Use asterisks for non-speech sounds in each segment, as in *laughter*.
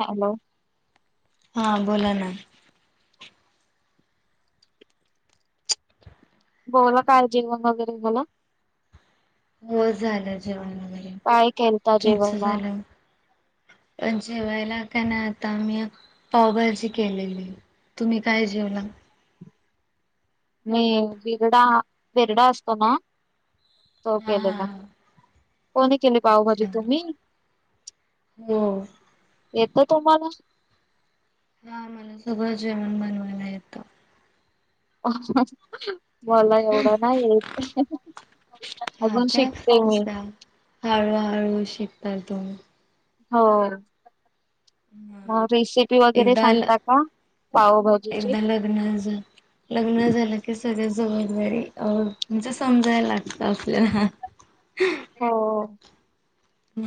Hello हां बोला ना बोला काय जेवण वगैरे झालं हो झालं जेवण वगैरे काय केलता तुमच जेवायला झालं पण जेवायला का ना आता मी पावभाजी केलेली. तुम्ही काय जेवला? मी विरडा विरडा असतो ना? तो हा हा केलेला कोणी केले पावभाजी अच्छा तुम्ही हो येत तुम्हाला हा मला सगळं जेवण बनवायला येतं. *unintelligible* मला एवढं नाही येत अजून शिकते मी. हळू हळू शिकता येते. होय मग रेसिपी वगैरे एकदा सांगता का पावभाजीची? अन *unintelligible* लग्न झालं की सगळ जबाबदारी अ म्हणजे समजायला लागत आपल्याला. हो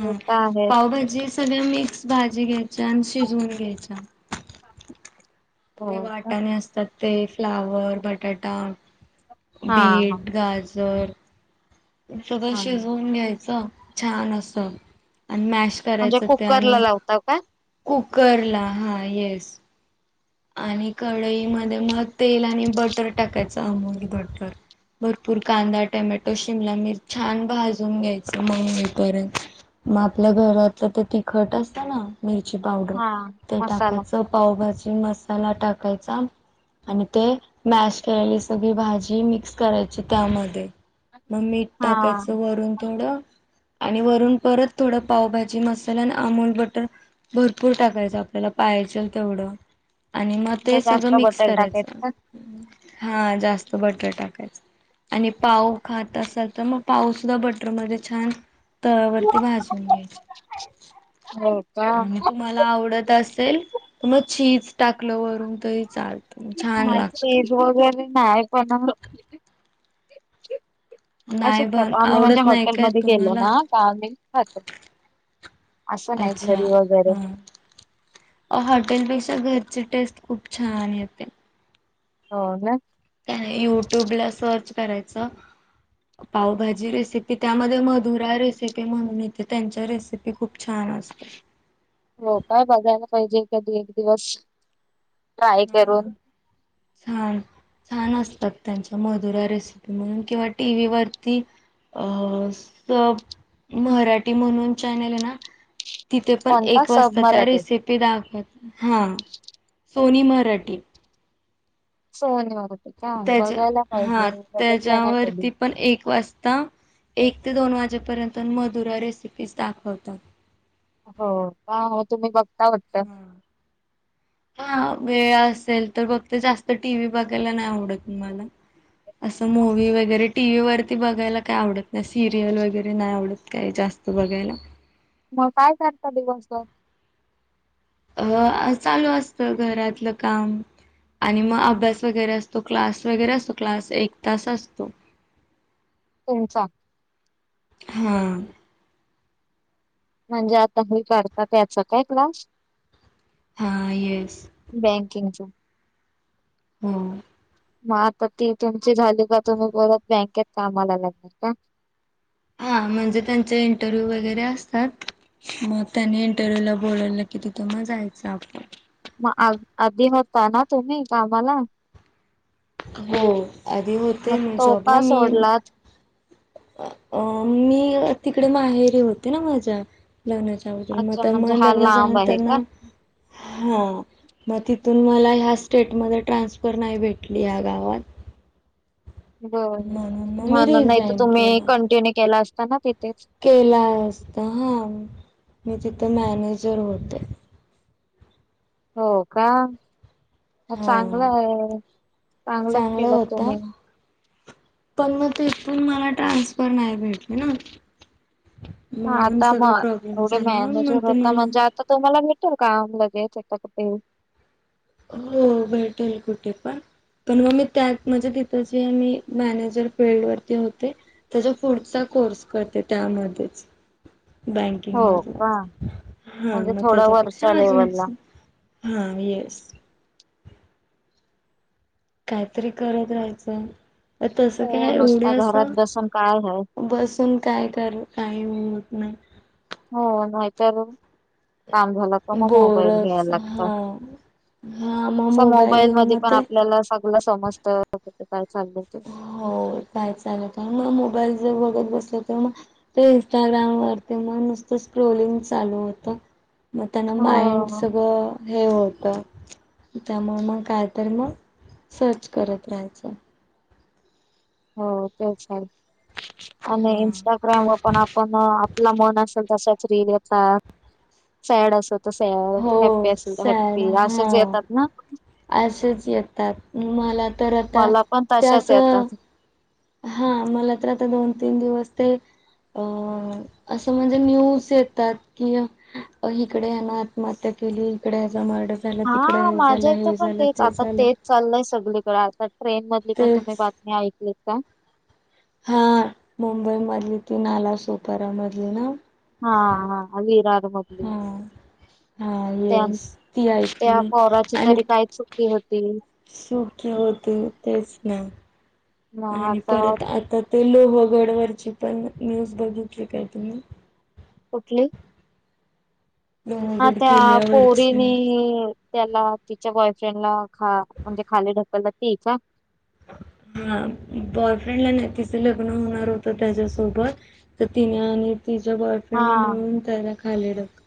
हे तर आहेच पावभाजी सगळ्या मिक्स भाजी घ्यायच्या आणि शिजवून घ्यायच्या. हो ते का वाटाने असतात ते फ्लाव, र बटाटा हा हा बीट गाजर सगळं हा म्हणजे शिजवून घ्यायचं छान अस आणि मॅश म्हणजे करायचं ते कुकर ला आणि लावत काय? कुकरला हा येस आणि कढईमध्ये मग तेल आणि बटर टाकायचं अमूल बटर भरपूर कांदा टमॅटो शिमला मिर छान भाजून घ्यायच मऊ होईपर्यंत मग आपल्या घरातलं तर ते तिखट असतं ना. मिरची पावडर हा ते मसाला टाकायचं पावभाजी मसाला टाकायचा. आणि ते मॅश केलेली सगळी भाजी मिक्स करायची त्यामध्ये मग मीठ हा टाकायचं वरून थोडं आणि वरून परत थोडं पावभाजी मसाला, अमूल बटर भरपूर टाकायचं आपल्याला पाहायजेल तेवढ. आणि मग म्हणजे ते सगळं जास्त मिक्स बटर टाकायचं करायचं का हा जास्त बटर टाकायचं. आणि पाव खात असाल तर मग पावसद्धा बटरमध्ये छान हो तव्यावरती भाजून घ्यायचे का? आणि मला आवडत असेल तर मग चीज टाकलं वरून तरी चाल मग चिज वगैरे नाही पण नाही असंच पण आम्ही म्हणजे आवडत नाही काय हॉटेलमध्ये गेलो तुम्हाला ना तर आम्ही खातो. असं नाहीत अच्छा घरी वगैरे हॉटेल पेक्षा घरची टेस्ट खूप छान येते. हो ना. काही नाही युट्यूब ला सर्च करायच *inaudible* पावभाजी रेसिपी त्यामध्ये मधुरा रेसिपी म्हणून येते त्यांच्या रेसिपी खूप छान असतात. हो काय बघायला पाहिजे कधी एक दिवस. ट्राय *unintelligible* करून छान, छान असतात त्यांच्या मधुरा रेसिपी म्हणून किंवा टी व्ही वरती अ स मराठी म्हणून चॅनेल आहे ना तिथे पण कोणता एक सब वाजता त्या मराठी रेसिपी दाखवत हां सोनी मराठी. सोनी मराठी. का त्याच्या बघायला पाहिजे हां बघितला नाही कधी त्याच्यावरती पण एक वाजता एक ते दोन वाजेपर्यंत मधुरा रेसिपीज दाखवतात. हो का हो तुम्ही बघता वाटत? हा. हा वेळ असेल तर बघते जास्त टी व्ही बघायला नाय आवडत मला. असं मूवी वगैरे टीव्ही वरती बघायला काय आवडत सिरियल वगैरे नाय आवडत काय जास्त बघायला. मग काय करता दिवसभर? अं चालू असत घरातलं काम आणि मग हा, अभ्यास वगैरे असतो क्लास वगैरे असतो क्लास एक तास असतो. तुमचा. हा.. म्हणजे आता हे *unintelligible* त्याचा काय क्लास हां येस. बँकिंग चा. हो. मग आता ती तुमची झाली का तुम्ही परत बँकेत कामाला लागतील का? हां म्हणजे त्यांचे इंटरव्ह्यू वगैरे असतात. मग त्यानी इंटरव्ह्यू ला बोलवलं की तिथं मग जायचं आपल. म आ आधी होता ना तुम्ही कामाला? हो आधी होते मग मी तो जॉबला का मी सोडलात? अ मी तिकडे माहेरी होते ना माझ्या लग्नाच्या अच्छा मते म म्हणजे हा लग्ना झाल्या लांब नंतर आहे ना का? हा मग तिथून मला ह्या स्टेटमध्ये ट्रान्सफर नाय भेटली ह्या गावात. बर म्हणून मग मी म्हणूण नायतर रिझाईन तुम्ही केला कंटिन्यू केला असता ना तिथेच? केला असता हां मी तिथे मॅनेजर होते. हो का म हा चांगलंय, चांगलंच चांगलं केलं होता तुम्ही. पण म तिथून मला ट्रान्सफर नाय भेटली न. हां आता म एवढे मॅनेजर नंतर होता मला म्हणजे आता तुम्हाला भेटेल काम लगेच इथं कुठेही. हो भेटेल कुठेपण. पण म मी त्यात म्हंजे तिथं जी मी मॅनेजर फिल्डवरती होते. तेच्या पुढचा कोर्स करते त्यामध्येच. बँकिंग हो मधे का हां म्हणजे म थोडं त्याच्यापेक्षा वरच्या लेवलला अजूनच् हां येस. काईतरी करत राहायचं त तस हो काय एवढे नुसता घरात असं बसून काय आहे. बसून काय करु काई होत नाय. हो नाहीतर काम झालं हो म मोबाईल घ्याय बोरच लागत हा हा मग स मोबाईल घेऊन मध्ये मग पण ते आपल्याला अस मला समजतं *unintelligible* काय चाललंय ते हो काय चालतंय म मोबाईल ज बघत बसली त म ते इंस्टाग्राम वरती म नुसतं स्क्रोलिंग चालू होतं. म त्यानं माईंड हो सगळं हे होतं त्यामुळं मंग कायतर मंग सर्च करत राहायचं. हो तेच तर आणि हा. इंस्टाग्राम व पण आप पण आपलं मन असेल तशाच रिलंच सॅड असत तसंय हॅप्पी हो असेल तर सॅड हॅप्पी असेच हा येतात ना. असेच येतात मला तर आता मला पण त्या तशाच असं येतात हां मला तर आता दोन तीन दिवस ते अं असं म्हणजे न्यूज येतात कि अं हीकडे ह्यानं आत्महत्या केली इकडे ह्याचा मर्डर झालं तिकडं हा हे झालं, माझ्या इथं हे पण झालं, तेच ते आता झालं. तेच चाललंय सगळीकडं आता ट्रेन मधली पण तुम्ही तेच बातमी ऐकलीत का? हा मुंबई मधली, ती नाला सुपारा मधली ना. हा हा हा अली राघमत. हा हा येस ती त्या ऐकली पोराची अनी तरी काय चुकी होती सुखी होते तेच ना. मग आणि आता परत आता ते लोहगडवरची पण न्यूज बघितली काय तुम्ही? कुठली? हा लोहगड त्या किल्ल्यावरची पोरीनी त्याला तिच्या बॉयफ्रेंडला खा म्हणजे खाली ढकललं ती का? हा बॉयफ्रेंडला नाय तिचं लग्न होणार होतं त्याच्यासोबत त तिनं आणि तिच्या बाॅय हा. त्यांना खाली ढक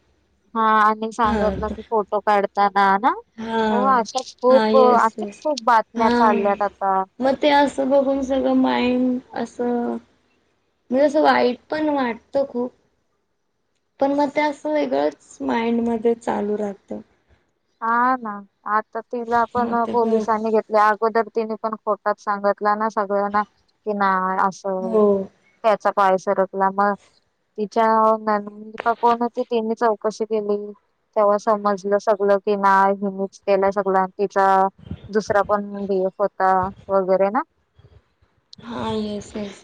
हा आणि हा सांगितलं की फोटो काढताना ना हा हो अशाच हा खूप येस अशाच खूप बातम्या चालल्यात आता. म ते असं बघून सगळं माइंड असं म्हजे असं वाईट पण वाटतं खूप. पण म ते असं वेगळंच माइंडमध्ये चालू राहतं. हा ना आता तिला पण मग ते ब पोलिसांनी घेत या अगोदर तिने पण खोटात सांगितला ना सगळ्यांना कि नाही. हो असं त्याचा पाय सरकला मग तिच्या ननंद का कोण होती तिनी चौकशी केली. तेव्हा समजलं सगल की नाही. हिनेच केला सगलं आणि तिच्या दुसरा पण बी एफ होता वगैरे ना. हा येस येस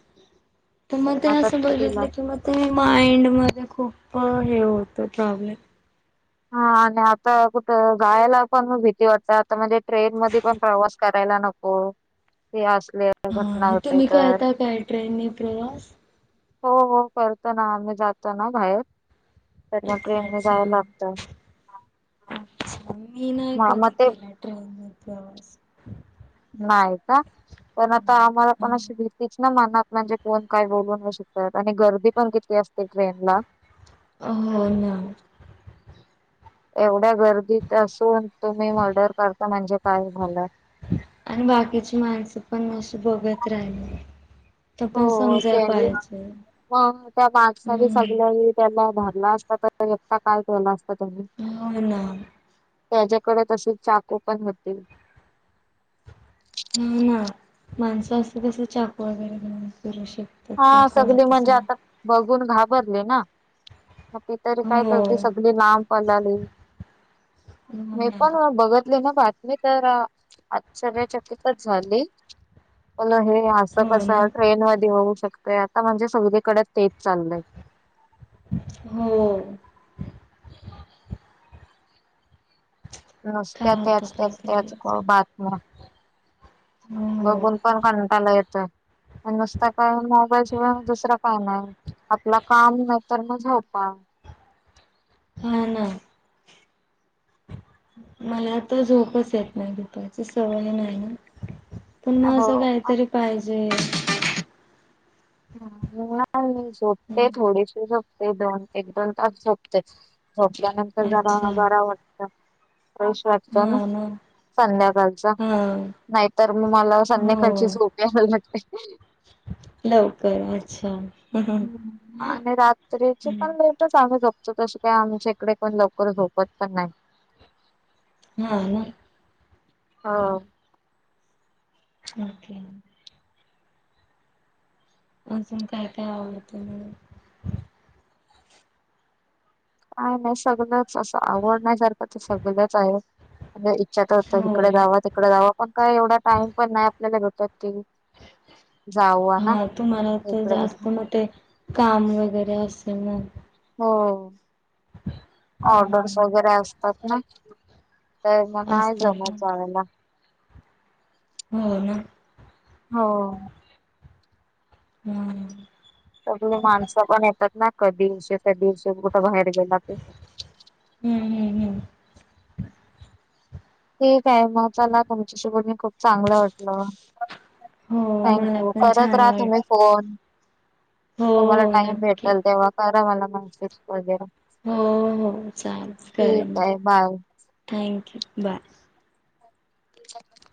तर मग ते आता असं तिला बघितलं की मग ते माइंडमध्ये खूप हे होतं प्रॉब्लेम. हा आणि आता कुठं? जायाला पण म भीती वाटते. आता म्हणजे ट्रेन मध्ये पण प्रवास करायला नको. हो त असले. घटना हा होते तुम्ही तर करता काय ट्रेननी प्रवास? हो, हो करतो ना आम्ही. जातो ना बाहेर तर मग अच्छा, ट्रेन नी अच्छा. जाव लागत. अच्छा! मी नाही म मग कधी ते केला ट्रेन नी प्रवास. नाही का? पण आता नाही. आम्हाला पण हं. अशी भि तीच ना मनात म्हणजे कोण काय बोलू नई शकत? आणि गर्दी पण किती असते ट्रेनला. अ हो ना. एवढ्या गर्दीत असून तुम्ही मर्डर करता. म्हणजे काय झालं. आणि बाकीची माणसं पण अस बघत राहिली. तर हो पण समजाय त्यानी पाहिजे. मग त्या माणसांनी हम्म, सगळ्यानी त्याला धरला असता. तर एका काय केला असता त्यानी. हो ना. त्याच्याकडे तसे चाकू पण होती. हा ना माणसं असे कसे चाकु वगैरे घेऊन फिरु शकता? हा सगली म्हणजे आता बघून घाबरले ना? मग ती तरी काय हो, करते सग लांब *unintelligible* लांब पलाली हो मी ना. पण बघतली ना बातमी तर? आश्चर्यचकित झाली. पुनः हे असं हो ना. कसं ट्रेन मध्ये होऊ शकतं. आता म्हणजे सगळीकडे तेच चाललंय. हो. *inaudible* नुसत्या काय होतं त्याचं, काय तरी. त्याचं त्या बातम्या हो. बघून. पण कंटाला येतोय. नुसतं काय मोबाईल शिवाय दुसरा काय नाही? आपलं काम नई तर मग झोपा. हा ना. मला तर झोपचं येत नाही. दुपारची सवय नाही ना. पण मग हो. असं काहीतरी पाहिजे? नाही मी झोपते हम्म, थोडीशी झोपते दोन एक दोन तास झोपते. झोपल्यानंतर जरा अच्छा मग बरं वाटतं. फ्रेश वाटतं ना संध्याकाळचं. हम. नाही तर मग मला संध्याकालची झोप यायल लागते. लवकर अच्छा. आणि रात्रीची पण लेट चं आम्ही झोपतो. तसं काय आमच्या इकडे पण लवकर झोपत पण नाही. हा ना. हा. ओके. अजून काय- काय आवडतं मग आ नई शगलंत असं आवड सारखं सगळंच आहे इच्छा होत हो. इकडे जावा इकडं जावं पण काय एवढा टाइम पण नाही आपल्याला भेटात ती हा, तुम्हाला तर इकडे जास्त तिकडे. म ते काम वगैरे असेल ना. हो.. ऑर्डर्स हम्म, वगैरे असतात ना. त्यांना नाही असतात जमतं ना जायला. हो... ना हो हम् सगळे माणसं पण येतात ना कधीशे कधीशे दिवशी कुठं बाहेर गेला की. हम्म.. हम्म... हम्म ठीक हैय... मग चला तुमच्याशी बोली खूप चांगलं वाटलं. हो मला थँक्यू... पण करत छान राहा वाट तुम्हीच. फोन.. हो तुम्हाला हो टाइम नक्की भेटल तेव्हा करा मला मेसेज वगैरे हो.. हो.. चालतय ठीक करेन... आहे बाय. Thank you bye. तुमचा?